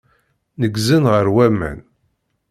Neggzen ɣer waman.